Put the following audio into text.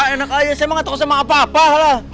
enak aja saya ngga takut sama apa apa lah